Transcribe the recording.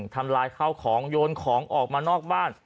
ทำลายข้าวของโยนของออกมานอกบ้าน